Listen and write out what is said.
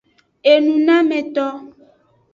Enunameto.